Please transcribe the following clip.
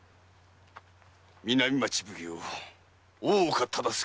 南町奉行大岡忠相。